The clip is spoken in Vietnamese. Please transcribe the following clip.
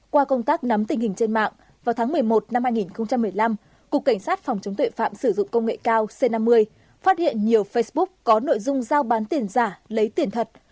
qua công tác nắm tình hình trên mạng vào tháng một mươi một năm hai nghìn một mươi năm cục cảnh sát phòng chống tuệ phạm sử dụng công nghệ cao c năm mươi phát hiện nhiều facebook có nội dung giao bán tiền giả lấy tiền thật